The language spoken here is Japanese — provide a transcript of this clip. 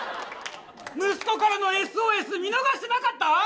息子からのＳＯＳ見逃してなかった！？